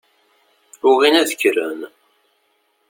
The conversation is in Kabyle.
Ugin ad kkren.